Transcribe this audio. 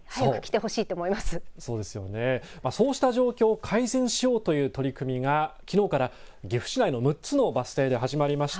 そうした状況を改善しようという取り組みがきのうから岐阜市内の６つのバス停で始まりました。